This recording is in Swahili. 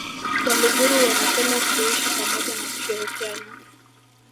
Waluguru wanapenda kuishi pamoja na kushirikiana